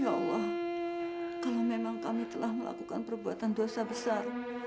ya allah kalau memang kami telah melakukan perbuatan dosa besar